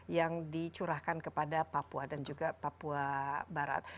yang dicurahkan kepada papua dan juga papua barat